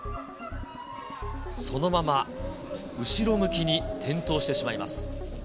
そのまま後ろ向きに転倒してしまいます。